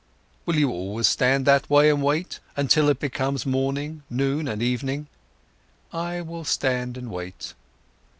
"Will you always stand that way and wait, until it'll becomes morning, noon, and evening?" "I will stand and wait."